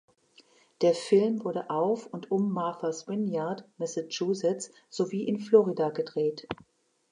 Der Film wurde auf und um Martha’s Vineyard, Massachusetts sowie in Florida gedreht.